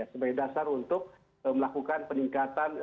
sebagai dasar untuk melakukan peningkatan